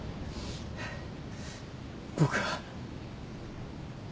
僕は。